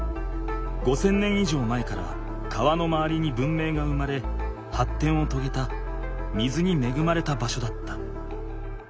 ５，０００年以上前から川のまわりに文明が生まれはってんをとげた水にめぐまれた場所だった。